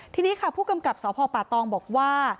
ทีนี้ค่ะผู้กำกับสพป่าตองบอกว่า